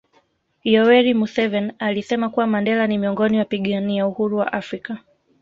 Yoweri Museveni alisema kuwa Mandela ni miongoni wapigania uhuru wa afrika